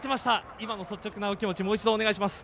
今の率直なお気持ちお願いします。